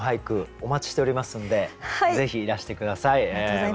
お待ちしておりますんでぜひいらして下さい。